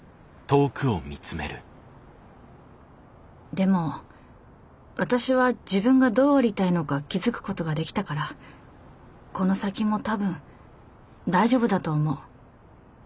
でも私は自分がどうありたいのか気付くことができたからこの先もたぶん大丈夫だと思う。